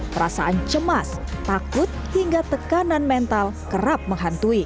perasaan cemas takut hingga tekanan mental kerap menghantui